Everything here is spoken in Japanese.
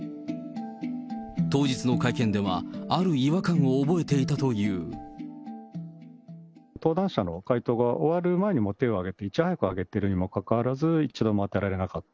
当日の会見では、登壇者の回答が終わる前にもう手を挙げて、いち早く挙げたにもかかわらず、一度も当てられなかった。